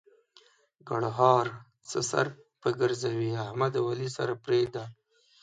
ګړهار: څه سر په ګرځوې؛ احمد او علي سره پرېږده.